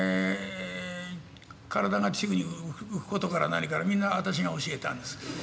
体が宙に浮くことから何からみんなあたしが教えたんです。